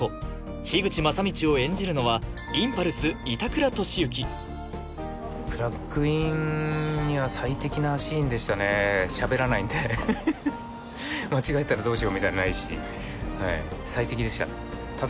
樋口昌通を演じるのはインパルス板倉俊之クランクインには最適なシーンでしたねしゃべらないんで間違えたらどうしようみたいなのないしはい最適でしたね